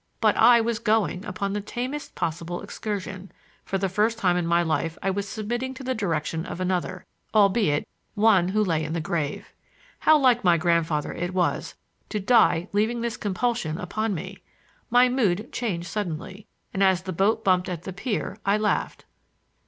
But I was going upon the tamest possible excursion; for the first time in my life I was submitting to the direction of another, —albeit one who lay in the grave. How like my grandfather it was, to die leaving this compulsion upon me! My mood changed suddenly, and as the boat bumped at the pier I laughed.